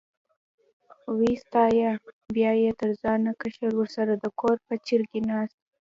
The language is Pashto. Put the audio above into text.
وې ستایه، بیا یې تر ځانه کشر ورسره د کور په چرګۍ ناست.